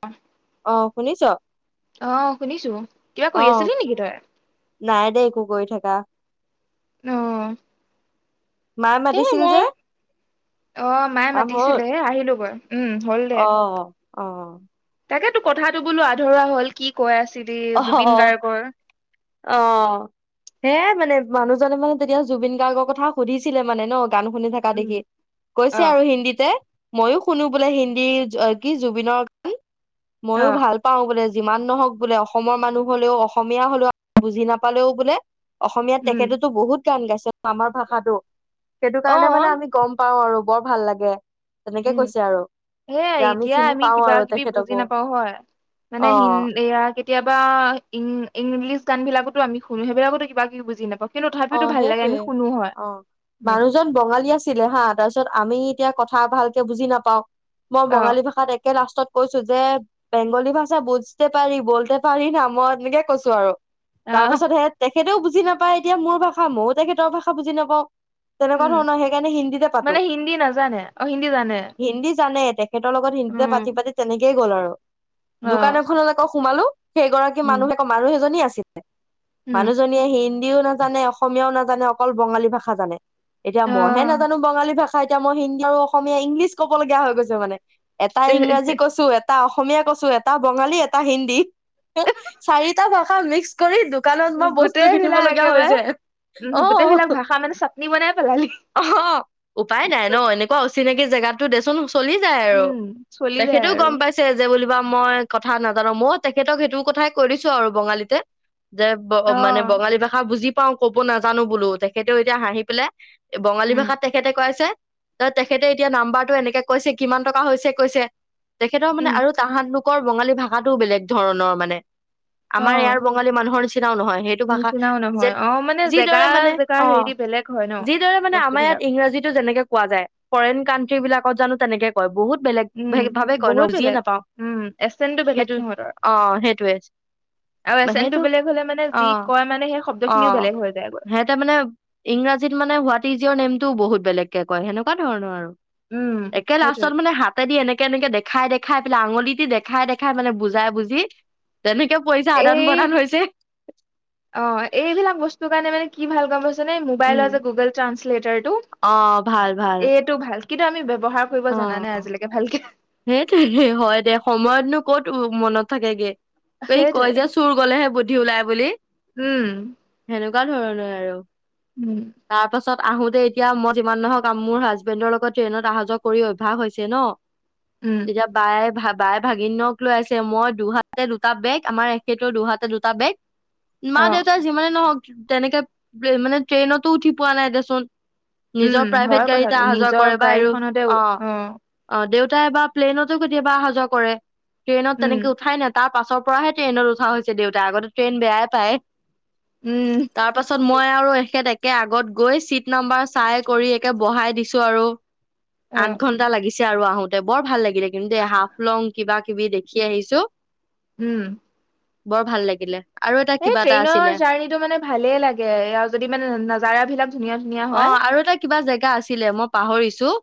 অ। অ শুনিছো? অহ শুনিছো কিবা কৰি আছিলি নেকি তই? নাই দেই একো কৰি থাকা অহ। মায়ে মাতিছিল মই যে অ মায়ে মাতিছিলে হে আহিলো গৈ আহ আহ। তাকেতো কথাটো বোলো আধৰুৱা হ'ল কি কৈ আছে? অ অহ সে মানে মানুহজনে মানে তেতিয়া জুবিন গাৰ্গৰ কথা সুধিছিলে মানে ন গান শুনি থকা উম, দেখি কৈছে অ', আৰু হিন্দীতে ময়ো শুনো বোলে হিন্দী কি জুবিনৰ গান। মইযো অ', ভাল পাওঁ বোলে যিমান নহওক বোলে অস অসমৰ মানুহ হলেও অসমীয়া হলেও বুজি নাপালেও বোলে অসমীয়াত উম, তেখেততো বহুত গান গাইছে আমাৰ ভাষাটো। সেইটো কাৰণে মানে অ', আমি গম পাও আৰু বৰ ভাল লাগে তেনেকে উম কৈছে আৰু সোই যে এতিয়া চিনি আমি পাওঁ কিবা আৰু কিবি বুজি তেখেতকো নাপাও হয় মানে অ হিণ এয়া কেতিয়াবা ইং ইংলিছ গান বিলাকতো আমি শুনো সেইবিলাকোতো কিবা কি বুজি নাপাওঁ। কিন্তু অ তথাপিতো ভাল লাগে আমি সেইটয়ে শুনো হয় অ উম, মানুহজন বঙালী আছিলে হা তাৰপিছত আমি এতিয়া কথা ভালকে বুজি নাপাও। মই অ', বঙালী ভাষাত একে লাষ্ট কৈছো যে বেংগলী ভাষা বুজতে পাৰি বলতে পাৰি না মই এনেকে কৈছো আৰু অ', তাৰপিছতহে সেইটোও বুজি নাপায় এতিয়া মোৰ ভাষা ময়ো তেখেতৰ ভাষা বুজি নাপাওঁ তেনেকুৱা উম, ধৰণৰ সেইকাৰণে হিন্দীতে পাতো। মানে হিন্দী নাজানে অ', হিন্দী জানে হিন্দী জানে তেখেতৰ লগত হিন্দীতে উম। পাতি পাতি তেনেকে থাকিয়ে গ'ল আৰু দোকান অ', এখনলৈকেও সোমালো সেইগৰাকী উম, মানুহকে মানুহ এজনী আছিল উম মানুহজনীয়ে হিন্দী হিন্দীও না জানে অসমীয়াও নাজানে অকল বঙালী ভাষা জানে। এতিয়া মইহে অ', নাজানো বঙালী ভাষা এতিয়া মই হিন্দী আৰু অসমীয়া ইংলিছ ক'ব লগীয়া হৈ গৈছে মানে এটা ইংৰাজী কৈছো এটা এটা অসমীয়া কৈছো এটা বঙালী এটা হিন্দী চাৰিটা ভাষা মিক্স কৰি দুকানত মই বস্তু গোটেই কিনিব বিলাক লগীয়া হৈছে একেবাৰে উম গোটেই অ', বিলাক ভাষা মানে চাটনি বনাই পেলালি অ', উপায় নাই নহ এনেকুৱা অচিনাকি জেগাতো দেচোন চলি যায় আৰু উম, চলি যায় তেখেতেও আৰু গম পাইছে যে বুলিবা মই কথা নাজানো মই তেখেতক সেইটো কথাই কৈ দিছো আৰু বঙালীতে যে মানে অ', বঙালী ভাষা বুজি পাও ক'ব নাজানো বোলো তেখেতেও এতিয়া হাঁহি পেলাই বঙালী উম, ভাষাত তেখেতে কৈ আছে ত তেখেতে এতিয়া নাম্বাৰটো এনেকে কৈছে কিমান টকা হৈছে কৈছে তেখেতৰ মানে উম, আৰু তাহাতলোক লোকৰ বঙালী ভাষাটোও বেলেগ ধৰণৰ মানে আমাৰ অ', ইয়াৰ বঙালী মানুহৰ নিচি- নিচিনাও নহয় সেইটো ভাষা নিচিনাও যে নহয় অ', মানে জেগা যিদৰে মানে জেগাৰ হেৰি অহ দি বেলেগ হয় ন। যিদৰে মানে আমাৰ ইয়াত বস্তুবিলাক ইংৰাজীটো যেনেকে কোৱা যায় ফৰেইন কাণ্ট্ৰি বিলাক কত জানো তেনেকে কয় বহুত বেলেগ উম ভে- ভাৱে কয় ন বহুত বুজিয়ে বেলেগ নাপাওঁ উম এচেনটো বেলেগ সেইটো সিহঁতৰ অ সেইটোৱে আৰু এচনটো সেইটো বেলেগ হ'লে মানে অ যি কয় মানে সেই শব্দখি অ সিহতে মানে ইংৰাজীত মানে হুৱাট ইছ ইওৰ নেম টো বহুত বেলেগ কে কয় সেনেকুৱা ধৰণৰ আৰু। উম, একে সেইটোৱে লাষ্টত মানে হাতেদি এনেকে এনেকে দে দেখাই দেখাই পেলাই আঙুলিট দেখাই দেখাই মানে বুজাই বুজি তেনেকে পইচা আদান এই প্ৰদান হৈছে। অ এইবিলাক বস্তু কাৰণে মানে কি ভাল কোৱা যেনে উম মোবাইলৰ যে গুগল ট্ৰানসলেটৰ টো অ ভাল ভাল এইটো ভাল। কিন্তু আমি বে অ সেইটোৱে হয় দে সময়তনো ক'ত মনত থাকেগে। এই সেইটোৱে কয় যে চুৰ গলেহে বু দি ওলাই বুলি। উম। লগা ধৰণে আৰু। উম। তাৰ পাছত আহোতে এতিয়াই যিমান নহওক মোৰ হাজবেডৰ লগ ট্ৰেইনত আহা যওক। কৰি অভ্যাস হৈছে ন। উম তেতিয়া বায়াই ভাব বাই ভাগিনক লৈ আছে মই দুহাতে দুটা বেগ আমাৰ এখেতৰ দুহাতে দুটা বেগ মা অ দেউতা যিমানে নহক তেনেকে মানে ট্ৰেইনতো উঠি পোৱা নাই দেচোন। নিজৰ প্ৰাইভেট গাড়ীতে অহা যোৱা কৰে বাই ৰো- ম দে অ টাই বা প্লেইনতো কেতিয়াবা অহা যোৱা কৰে। ট্ৰেইনত উম তনেক উঠাই নে টা- পাছৰ পৰাহে ট্ৰেইনত উঠা হৈছে দেউতা আগতে ট্ৰেইন বেয়াই পায়। উম তাৰ পাছত মই আৰু এখেত একে আগত গৈ চিট নাম্বাৰ চাই কৰি একে বঢ়াই দিছো আৰু। অ আঠ ঘন্টা লাগিছে। আৰু আহোতে বৰ ভাল লাগে। কিন্তু দেই হাফ লং কিবা কিবি দেখি আহিছো। উম। বৰ ভাল লাগিলে। আৰু এটা এই কিবা এটা আছিলে ট্ৰেইনৰ জাৰ্ণিটো মানে ভালেই লাগে আৰু যদি মানে নাজাৰা বিলাক ধুনীয়া ধুনীয়া অ হয়। আৰু এটা কিবা জেগা আছিলে মই পাহৰিছো।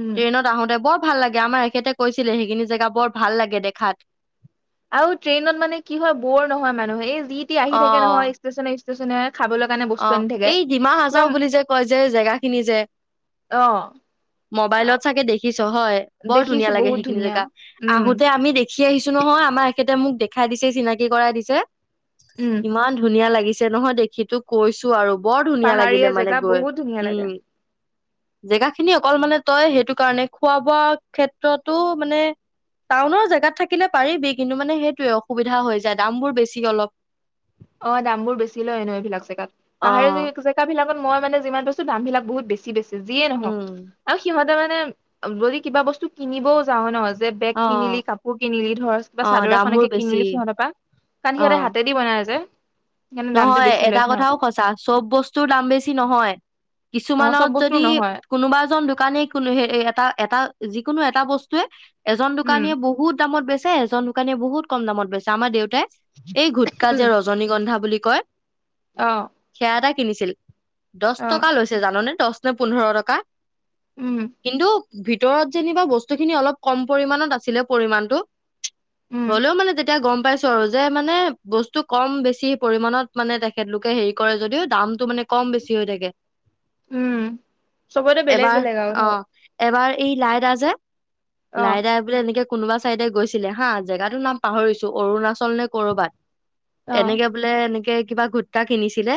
উম ট্ৰেইনত আহোতে বৰ। ভাল লাগে আমাৰ এখেতে কৈছিলে সেইখিনি জেগা বৰ ভাল লাগে দেখাত। আৰু ট্ৰেইনত মানে কি হয় বৰ নহয় মানুহে এই যি তি আহি অ থাকে নহয় ষ্টেচনে [unintelligible] বস্তু অ' আনি থাকে এই ডিমা কিবা হাজাও বুলি যে কয় যে জেগা খিনি যে অ মবাইলত চাগে দেখিছ হয় বৰ ধুনীয়া দেখিছো লাগে বহুত সেইখিনি ধুনীয়া জেগা, উম আহোতে আমি দেখি আহিছো নহয় আমাৰ এখেতে মোক দেখাই দিছে চিনাকি কৰাই দিছে। উম ইমান ধুনীয়া লাগিছে। ছে নহয় দেখি তোক কৈছো আৰু। বৰ ধুনীয়া পাহাৰীয়া লাগিলে মানে জেগা গৈ বহুত ধুনীয়া লাগে। উম। জেগা খিনি অকল মানে তই সেইটো কাৰণে খোৱা বোৱা ক্ষেত্ৰতো মানে টাউনৰ জেগাত থাকিলে পাৰিবি কিন্তু মানে সেইটোৱে অসুবিধা হৈ যায় দামবোৰ বেছি অলপ। অ' দাম বোৰ বেছি লয় এনো এইবিলাক জোত অ তাহাৰৰি য জেগ বিলাক মইা মানে যিমান [unintelligible] দাম বিলাক বহুত বেছি বেছি যিয়ে নহওক উম আৰু সিহঁতে মানে যদি কিবা বস্তু কিনিবও যাওঁ নহ। যে বেগ অ কিনিলি কাপোৰ কিনিলি ধৰ কিবা অ চাদৰ দামবোৰ এখনকে বেছি কিনিলি সিহঁতৰ পৰা কাৰণ অ সিহঁতে হাতে দি বনাই যে। সেইকাৰণে দামটো নহয় বেছি লয় এটা কথাও সিহঁতৰ সঁচা চব বস্তুৰ দাম বেছি নহয়। অ চব কিছুমানত বস্তু যদি নহয় কোনোবা এজন দোকানী কোনো এটা এটা যিকোনো এটা বস্তুৱে। এজন উম দোকানীয়ে বহুত দামত বেছে এজন দোকানিয়ে বহুত কম দামত বেছে আমাৰ দেউত এই গুটকা যে উম ৰজনীগন্ধা বুলি কয়। অ সেয়া এট কিনিছিল। দচ অ টকা লৈছে জাননে। দচ নে পোন্ধৰ টকা। উম কিন্তু। ভিতৰত যেনিবা বস্তুখিনি অলপ কম পৰিমানত আছিলে পৰিমাণটো উম হ'লেও মানে যেতিয়া গম, পাইছো আৰু যে মানে বস্তু কম-বেছি, পৰিমাণত মানে তেখেতলোকে হেৰি কৰে যদিও দাম, মানে কম-বেছি হৈ থাকে উম চবতে বেলেগ ।এবাৰ বেলেগ আৰু ধৰ অ' এবাৰ এই লাইদা যে, অ লাই দাই বোলে এনেকে, কোনোবা চাইডে গৈছিলে হা জেগাতো নাম পাহৰিছো অৰুণাচল নে কৰ'বাত, অহ, এনেকে বোলে এনেকে কিবা গুতকা কিনিছিলে,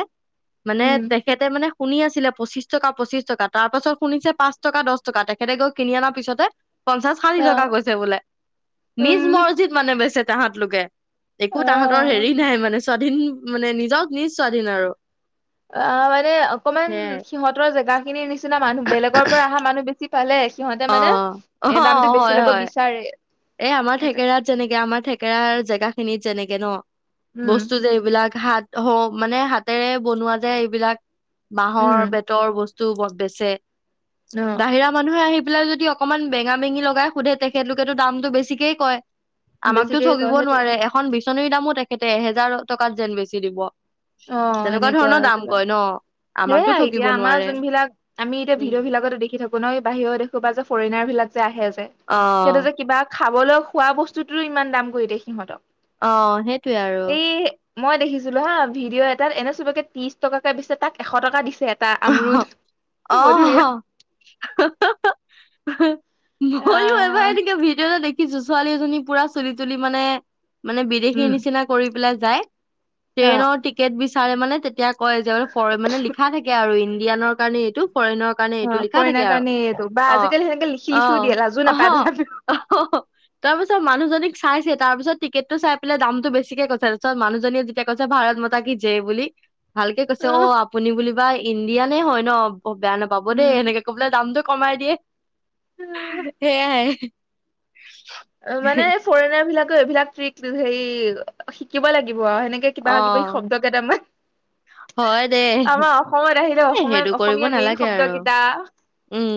মানে উম তেখেতে মানে, শুনি আছিলে পঁচিশ টকা- পঁচিশ টকা তাৰ পাছত শুনিছে পাঁচ টকা-দহ টকা তেখেতে গৈ কিনি অনাৰ পিছতে, পঞ্চাশ- ষাঠি অ টকা কৈছে বোলে নিজ উম মৰজিদ মানে বেচ, তাহত লোকে। একো তাহাঁতৰ অ হেৰি নাই মানে, স্বাধীন মানে নিজক নিজ স্বাধীন আৰু, অ, মানে অকমান সেয়াই সিহঁতৰ জেগা খিনি নিচিনা মানুহ, বেলগৰ পৰা অহা মানুহ বেচ, ছি পালে। সিহঁতে মানে অ- অহ, এ দামটো বেছি হয় ল'ব -হয় বিচাৰে এই আমাৰ সেইটোৱে থেকেৰাত যেনেকে আমাৰ থেকেৰাৰ জেগা, খিনিত যেনেকে ন' উম বস্তু যে এইবিলাক, হাত হ' মানে হাতেৰে বনোৱা যায় এইবিলাক। বাহৰ উম -বেতৰ বস্তু। তটো বহ বেচে, অ বাহিৰা মানুহে আহিব। পিলাই যদি অকনমান বেঙা -বেঙি লগাই সোধে তেখেতলোকেটো দামতটো বেছিকেই কয়। আমাকতো বেছিকে ঠগিব কয় সেইটো নোৱাৰে। এখন বিশ, আচনিৰ দামো তেখেতে এহেজাৰ টকাত যেন বেছি দিব। অ ', তেনেকুৱা সেনেকুৱা ধৰণৰ আৰু দাম কিবা কয় ন । আমাকতো সেয়া এতিয়া ঠগিব আমাৰ নোৱাৰে যোনবিলাক আমি এতিয়া উম ভিডিঅ' বিলাকতে দেখি থাকো ন' বাহিৰৰ দেশ, ক'বা যে ফৰেইনৰবিলাক যে, আহে যে অ সেইটো যে কিবা, খাবলৈ খোৱা বস্তুটোৰো ইমান দাম কৰি দিয়ে সিহঁতক। অ', সেইটোৱে আৰু। এই মই দেখিছিলো হা ভিডিঅ এটাট এনে চবকে তিছ টকাকে দিছে তাক এশ টকা দিছে এটা অহ আমৰুদ অ হ মধুৰিআম হা হা হা ভল এবাৰ আহ এনেকে ভিডিঅ' এটা দেখি ছো ছোৱালী এজনী পুৰা চুলি তুলি মানে মানে উম বিদেশীৰ নিচিনা কৰি পেলাই যায় অ ট্ৰেইন অ টিকেট বি চাৰে মানে তেতিয়া কয় যেলে পঢ মানে লিখা থাকে আৰু ইণ্ডিয়ানৰ কাৰণে এইটো ফৰে কাৰণে এইটো লিখা থাকে ফৰেনাৰ আৰু কাৰণে এইটো বা অ আজিকালি সেনেকে লিখি অ লিখিও দিয়ে লাজো নাপায় তথাপিও অ তাৰপিছত মানুহজনীক চাইছে তাৰ পিছত টিকেট টো চাই পেলাই দামতটো বেছিকে কৈছে তাৰপিত মানুহজননেীয়ে যেতিয়া কৈছে ভাৰত মতা কি জে বুলি ভালকে কৈছে অ আপুনি বুলিবা ইণ্ডিয়ানে হয় ন অ বেয়া নাপাব দেই উম এনেকে কবলে দামটো কমাই দিয়ে সেয়াই অ মানে ফৰেনাৰ বিলাক এইবিলাক ট্ৰিক হেৰি শিকিব লাগিব সেনেকে কিবা কিবি অ', শব্দ কেইটামত হয় দে অসমত আহিলে এ অসমীয়া সেইটো কৰিব অসমীয়া মেইন নালাগে শব্দ আৰু কেইটা উম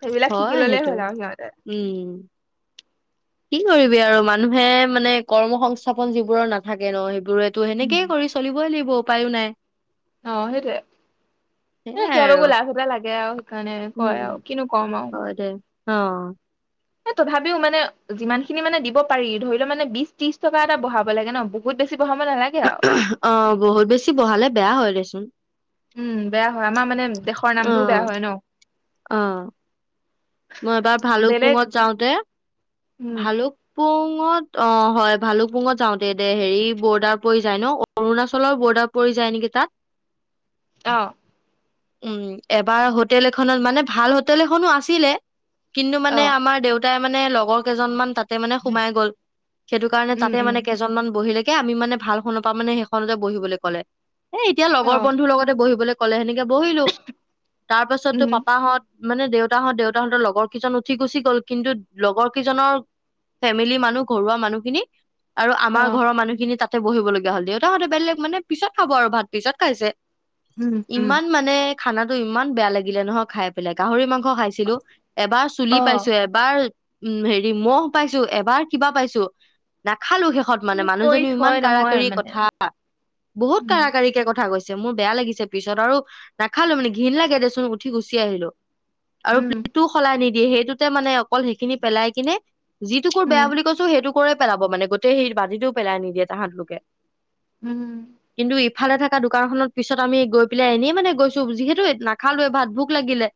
সেইবিলাক শিকি হয় ললে সেইটো হ'ল আৰু সিহঁতে উম কি কৰিবি আৰু মানুহে মানে কৰ্ম সংস্থাপন যিবোৰৰ নাথাকে ন সেই বোৰে সেনেকে কৰি চলিবই লাগিব ব উপায়ো নাই অ সেইটোৱে এ সেয়াই আৰু সিহঁতকো লাভ এটা লাগে আৰু সেইকাৰণে উম, কয় আৰু কিনো কম আৰু হয় দে। অ তথাপিও মানে যিমান খিনি মানে দিব পাৰি ধৰি লও মানে বিশ ত্ৰিশ টকা এটা বঢ়াব লাগে ন বহুত বেছি বঢ়াব নালাগে আৰু অ বহুত বেছি বহালে বেয়া হয় দেছ চ উম বেয়া হয় আমাৰ মানে দেশৰ নামটোও বেয়া অ', হয় ন অ মই এবাৰ বেলেগ ভালুকপুঙত যাওঁতে উম ভালুক [unintelligible] পুঙত অ হয় ভালুকপুঙত যাওঁতে দে হেৰি বৰ্ডাৰ পৰি যায় ন অৰুণাচলৰ বৰ্ডাৰ পৰি যায় নেকি তাত? আহ [inaudible] উম এবাৰ হোটেল এখনত মানে ভাল হোটেল এখনো আছিলে [unintelligible] [inaudible] কিন্তু মানে অ আমাৰ দেউত [unintelligible] তাই মানে লগৰ কেইজনমান তাত [unintelligible] [inaudible] তাতে মানে সোমাই গ'ল সেইটো কাৰণে উম তাতে উম মানে কেইজনমান বহিলৈে [unintelligible] ে আমি মানে ভাল শনৰ পৰা মানে সেইখনতে বহিবলৈ ক'লে [unintelligible] এ এতিয়া অ লগৰ বন্ধুৰ লগতে বহিবলৈ [unintelligible] কলেেক [inaudible] বহিলো তাৰ পাছতো উম পাপাহত [unintelligible] মানে দেউতাাহত দেউতা [unintelligible] তাহতৰ লগৰ কেইজন উঠি গুচি গ'ল, কিন্তু লগৰ কেইজনৰ ফেমিলি মানুহ ঘৰুৱা মানুহখিনি [unintelligible] আৰু অ আমাৰ ঘৰৰ মানুহখিনি তাত [unintelligible] ততে বহিব লগীয়া হল, দেউতাহহঁতে বেলে মানে পিছত খাব আৰু ভাত পিছত খাইছে উম [unintelligible] উম ইমান মানে [unintelligible] [inaudible] খানাটো ইমান বেয়া লাগিলে নহয় খাই পেলাই গাহৰি মাংস [unintelligible] খাইছিলো [unintelligible] [inaudible] এবাৰ অ চুলি পাইছো এবাৰ [unintelligible] [inaudible] উ হেৰি মহ পাইছো এবাৰ কিবা পাইছো ন [unintelligible] খালো শেষত কি মানে কৰি মানুহজনীও ইমান থয় কাৰ নহয় কাৰী মানে কথা বহুত উম কাৰ কাৰিকে কথা কৈছে [unintelligible] মোৰ বেয়া লাগিছে পিছত আৰু নাখালো মানে ঘণ লাগে দেচোন উঠি গুচি আহিলো [unintelligible] আৰু উম [inaudible] প্লেটটো সলাই নিদিয়ে সেইটোতে মানে অকল সেইখিনি পেলাই কিনে [unintelligible] যিটোোক কোৰ বেয়া উম বুলি কৈছো সেইটোোক [unintelligible] ক পেলাব মানে গোটেই সেই বাতিটোও পেলাই নিদিয়ে তাহাঁতলোকে [unintelligible] [inaudible] উম [inaudible] কিন্তু ইফালে থকা দোকানখনত পিছত আমি গৈ পেলাই এনেই মানে গৈছো যিহেতু নাখালোোৱ ভাত ভোক লাগিলে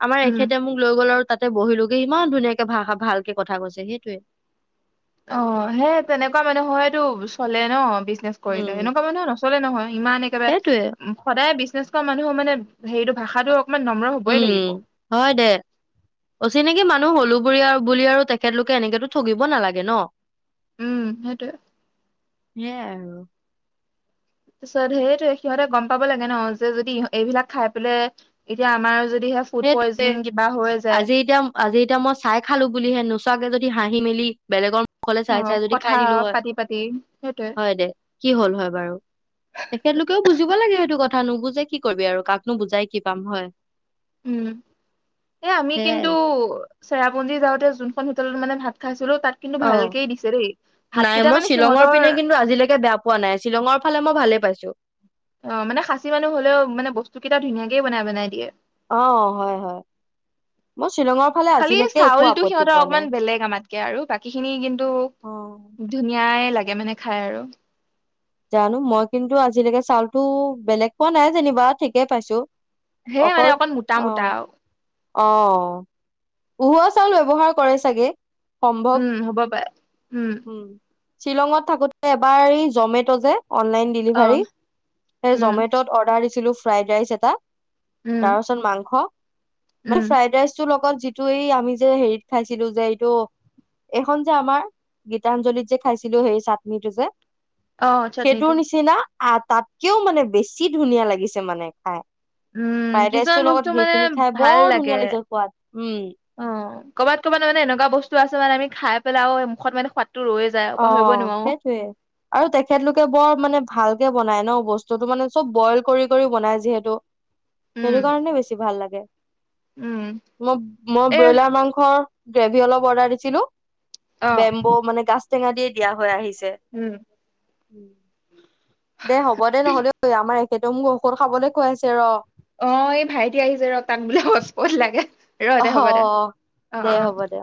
[unintelligible] উম তেখেতে মোক লৈ গ'ল আৰু [unintelligible] তাতে বহিলোোগে ইমান ধুনীয়াকে ভাষা ভালকে কথা কৈছে সেইটয়ে [unintelligible] অ সেই তেনেকুৱা মানে হয়তটো চলে ন [unintelligible] জনে কৰিলে উম এনেকুৱা মানুে নচলে নহয় [unintelligible] ইমান একেবাৰে সেইটোয়ে সদায়েছ [unintelligible] বি কৰা মানুহৰ মানে হেৰিটো ভাষাটো [unintelligible] হবই উম লাগিব হয় দে অচিনাকি মান হলো বুলি আৰু তেখেতলোকে এনেকেতো ঠগিব নালাগে ন উম সেইটোৱে । আৰু তাৰিছত সেইটোৱেই সিহঁতে গম পাব লাগে ন যে যদি এইবিলাক খাই পেলাই এতিয়া আমাৰ যদি সেইটোৱেই আজি এতিয়া আজি এতিয়া মই চাই খালো বুলিহে নোচোৱাকে যদি হাঁহি মেলি বেলেগৰ অকলে অ চাই চাই যদি কথা খাই দিলো হয় পাতি পাতি সেইটোৱে হয় দে কি হল হয় বাৰু তেখেতলোকেও বুজিব লাগে সেইটো কথা কথা নুবুজে কি কৰিবি আৰু কাকনো বুজাই কি পাম হয় উম এ আমি কিন্তু সেয়াই চেৰাপুঞজী যাওঁতে যোনখন হোটেলত মানে ভাত খাইছিলো তাত কিন্তু অঁ ভালকেই দিছে দেই নাই ভাতকেইটা মই মানে শ্বিলঙৰ সিহঁতৰ পিনে কিন্তু আজিলৈকে বেয়া পোৱা নাই শ্বিলঙৰ ফালে মই ভালে পাইছো অঁ মানে খাচী মানুহ হলেওঁ মানে বস্তু কেইটা ধুনীয়াকে বনাই বনাই দিয়ে অ হয় হয় মই শ্বিলঙৰ ফালে খালি আজিলৈকে একো চাউলটো আপত্তি সিহঁতৰ পোৱা অকমান নাই বেলেগ আমাতকে আৰু বাকী খিনি কিন্তু অ ধুনীয়াই লাগে লাগে মানে খাই আৰু জানো মই কিন্তু আজিলৈকে চাউলতো বেলেগ পোৱা নাই যেনিবা ঠিকেই পাইছো হে মানে অকণ মোটা মোটা আৰু অঁ উহোৱা চাউল ব্যৱহাৰৰ কৰে চাগে। সম্ভৱ উম হ'ব পাৰে। উম। শ্বিলঙত থাকোতে এবাৰ এই জমেট' যে অনলাইন অহ ডিভাৰ জমেত, সেই উম, জমে ত অৰ্দাৰ দিছিলো ফ্ৰ ৰাই এটা উম, তাৰপাছত মাংস মানে উম, ফ্ৰাৰাইচ্ তোৰ লগত যিটো এই আমি যে হেৰিত খাইছিলো যে এইটো এইখন যে আমাৰ গীতাঞ্জলীত যে খাইছিলো সেই চাটনিটো যে অ', চাটনিটো সেইটো নিচিনা আঁহ তাতকেও মানে বেছি ধুনীয়া লাগিছে মানে খাই উম, ফ্ৰাইড কিছুমান ৰাইচটোৰ বস্তু লগত মানে সেইখিনি খাই ভাল বৰ লাগে ধুনীয়া লাগিছে সোৱাদ উম ক'বাত'ব মান এনেুৱা বস্তু মানৈ আমি খাই পেলাই মুখত মানে সৌৱাদ অঁ সেইটোৱে আৰু তেখেতলোকে বৰ মানে ভাল বনাই ন বস্তুতটো মানে চব বইল কৰি কৰি বনাই যিহেতু উম, সেইটো কাৰণে বেছি ভাল লাগে উম, মই মই এ ব্ৰইলাৰ মাংসৰ গ্ৰেভি অলপ অৰ্ডাৰ দিছিলো । অ', বেম্বো মানে গাছ টেঙা দ দিয়া হৈ আহিছিল উম উম দে হ'ব দে নহলেঐ আমাৰ একখেতে মোক ঔষধ খাবলৈ খুৱাইছে ৰ অ এই ভাইটি আহিছে ৰ তাক বোলে হতচ পত লাগে ৰ অ দে হ'ব দে অ', দে হ'ব দে অ'।